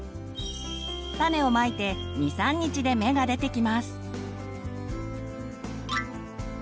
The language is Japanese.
種をまいて２３日で芽が出てきます。